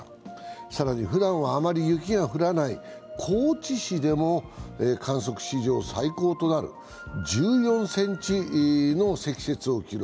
更にふだんはあまり雪が降らない高知市でも観測史上最高となる１４ｃｍの積雪を記録。